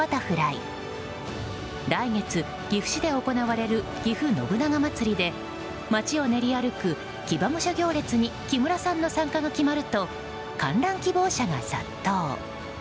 来月、岐阜市で行われるぎふ信長まつりで街を練り歩く騎馬武者行列に木村さんの参加が決まると観覧希望者が殺到。